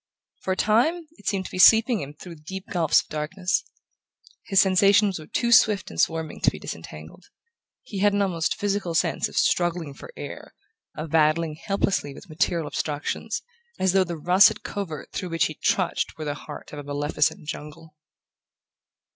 For a time it seemed to be sweeping him through deep gulfs of darkness. His sensations were too swift and swarming to be disentangled. He had an almost physical sense of struggling for air, of battling helplessly with material obstructions, as though the russet covert through which he trudged were the heart of a maleficent jungle...